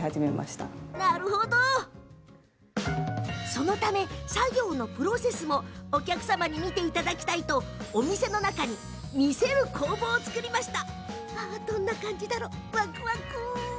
そのため、作業のプロセスもお客様に見ていただきたいとお店の中にみせる工房を作りました。